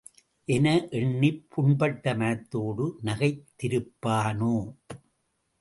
என எண்ணிப் புண்பட்ட மனத்தோடு நகைத் திருப்பானோ?